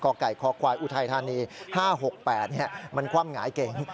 กไก่คควายอุทัยธานี๕๖๘มันคว่ำหงายเก๋ง